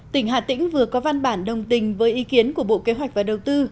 tỉnh hà tĩnh vừa có văn bản đồng tình với ý kiến của bộ kế hoạch và đầu tư